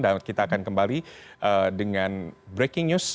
dan kita akan kembali dengan breaking news